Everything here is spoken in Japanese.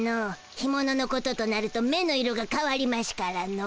ひもののこととなると目の色がかわりましゅからの。